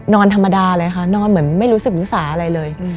นอนธรรมดาเลยค่ะนอนเหมือนไม่รู้สึกรู้สาอะไรเลย